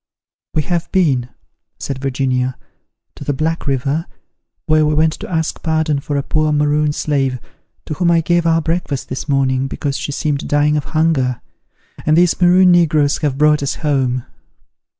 "We have been," said Virginia, "to the Black River, where we went to ask pardon for a poor Maroon slave, to whom I gave our breakfast this morning, because she seemed dying of hunger; and these Maroon negroes have brought us home."